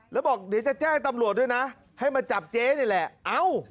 แล้วบอกเดี๋ยวจะแจ้งตำรวจด้วยนะให้มาจับเจ๊นี่แหละเอ้า